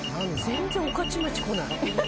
全然御徒町こない。